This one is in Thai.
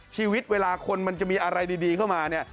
ชีวิตเวลาคนมันจะมีอะไรดีเข้ามาเนี่ย